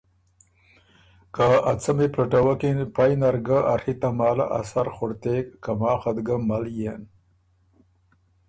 که ا څمی پلټوکِن پئ نرل ګۀ ا ڒی تماله ا سر خُړتېک که ماخت ګه مل يېن۔